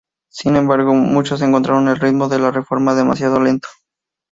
Sin embargo, muchos encontraron el ritmo de la reforma demasiado lento.